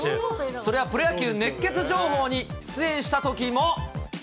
それはプロ野球熱ケツ情報に出演したときも。